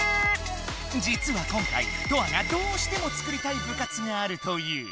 じつは今回トアがどうしても作りたい部活があるという。